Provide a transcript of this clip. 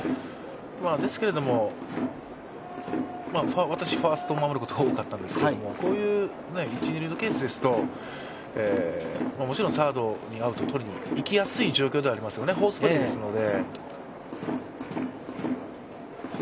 ですけれども、私、ファーストを守ることが多かったんですけどこういう一・二塁のケースですと、もちろんサードにアウトを取りにいきやすい状況ではあります、フォースプレーですので。